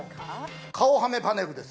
顔ハメパネルです。